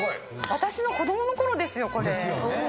私の子供のころですよこれ。ですよね。